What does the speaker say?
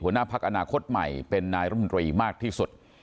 หัวหน้าพักอนาคตใหม่เป็นนายรมนตรีมากที่สุด